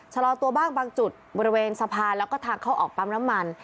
ชะลอตัวบ้างบางจุดบริเวณสะพานแล้วก็ทางเข้าออกปั๊มน้ำมัน